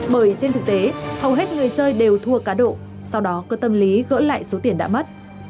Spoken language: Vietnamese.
bởi trên thực tế hầu hết người chơi đều thua cá độ sau đó có tâm lý gỡ lại số tiền đã mất